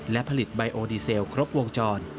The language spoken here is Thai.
และผลิตไบโอดีเซลครบวงจร